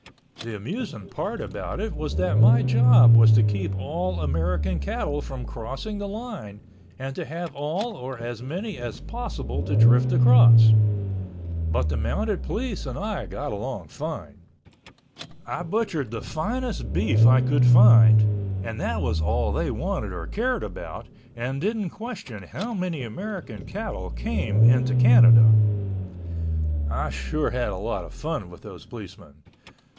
The amusing part about it was that my job was to keep all American cattle from crossing the line and to have all or as many as possible to drift across. But the Mounted Police and I got along fine. I butchered the finest beef I could find and that was all they wanted or cared about and didn't question how many American cattle came into Canada. I sure had a lot of fun with those policemen.